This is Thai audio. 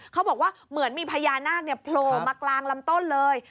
เขาบอกว่าเหมือนมีพญานาคโผล่มากลางลำต้นเลย